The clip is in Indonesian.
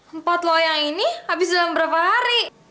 empat loyang ini habis dalam berapa hari